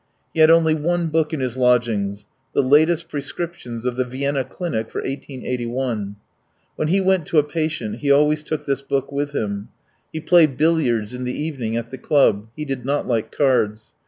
He had only one book in his lodgings, "The Latest Prescriptions of the Vienna Clinic for 1881." When he went to a patient he always took this book with him. He played billiards in the evening at the club: he did not like cards.